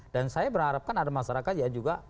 dan saya berharapkan ada masyarakat ya juga